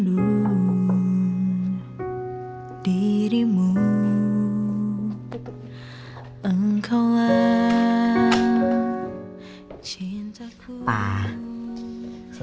ada ga pernah makan kek gitu kenapa aku tetap sakit hati ya